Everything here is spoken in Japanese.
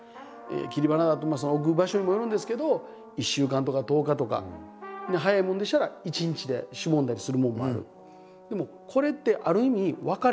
切り花だと置く場所にもよるんですけど１週間とか１０日とか早いもんでしたら一日でしぼんだりするものもある。